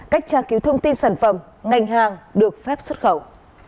cách tra cứu thông tin sản phẩm ngành hàng được phép xuất khẩu